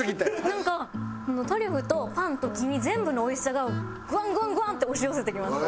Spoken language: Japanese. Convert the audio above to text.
なんかトリュフとパンと黄身全部の美味しさがぐわんぐわんぐわんって押し寄せてきます。